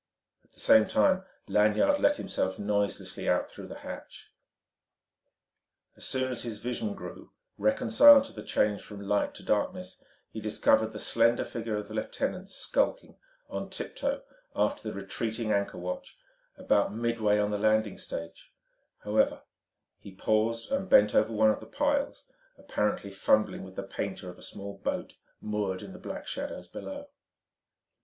At the same time Lanyard let himself noiselessly out through the hatch. As soon as his vision grew reconciled to the change from light to darkness, he discovered the slender figure of the lieutenant skulking on tip toe after the retreating anchor watch; about midway on the landing stage, however, he paused and bent over one of the piles, apparently fumbling with the painter of a small boat moored in the black shadows below.